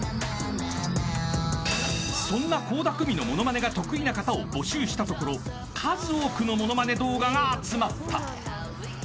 ［そんな倖田來未のモノマネが得意な方を募集したところ数多くのモノマネ動画が集まった］